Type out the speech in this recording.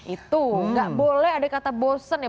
itu nggak boleh ada kata bosen ya